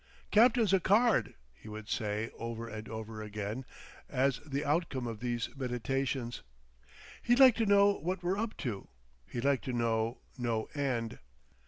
"Captain's a Card," he would say over and over again as the outcome of these meditations. "He'd like to know what we're up to. He'd like to know—no end."